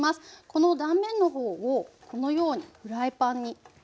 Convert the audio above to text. この断面の方をこのようにフライパンに入れまして。